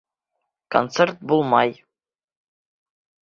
Концерт булмай.